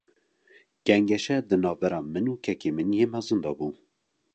Gengeşe, di navbera min û kekê min yê mezin de bû